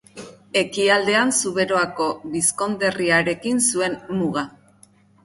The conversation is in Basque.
Ekialdean Zuberoako bizkonderriarekin zuen muga.